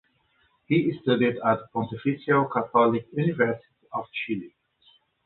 He studied at Pontifical Catholic University of Chile.